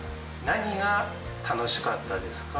何が楽しかったですか？